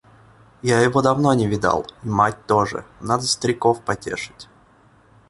Я его давно не видал, и мать тоже; надо стариков потешить.